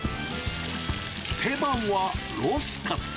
定番はロースかつ。